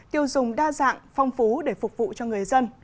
tiêu dùng đa dạng phong phú để phục vụ cho người dân